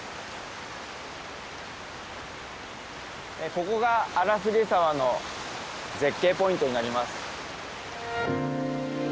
ここが荒菅沢の絶景ポイントになります。